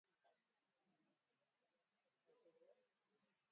Mapishi ya majani ya viazi Matembele